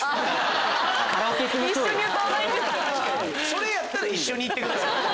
それやったら一緒に行ってください。